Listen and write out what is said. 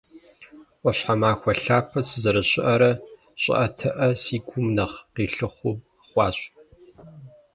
Ӏуащхьэмахуэ лъапэ сызэрыщыӏэрэ, щӏыӏэтыӏэ си гум нэхъ къилъыхъуэ хъуащ.